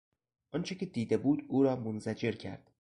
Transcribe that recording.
آنچه که دیده بود او را منزجر کرد.